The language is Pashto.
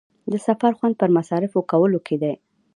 د سفر خوند پر مصارفو کولو کې دی.